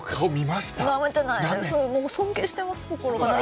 尊敬してます、心から。